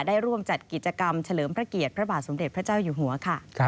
ได้ร่วมจัดกิจกรรมเฉลิมพระเกียรติพระบาทสมเด็จพระเจ้าอยู่หัวค่ะ